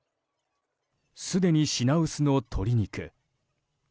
すでに品薄の鶏肉。